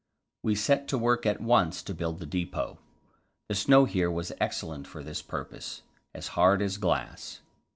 We set to work at once to build the depot; the snow here was excellent for this purpose as hard as glass.